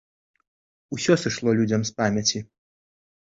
Усё сышло людзям з памяці.